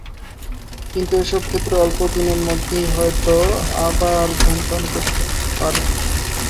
কিন্তু এসব ক্ষেত্রে অল্প দিনের মধ্যেই হয়তো আবার ধূমপান করতে পারেন।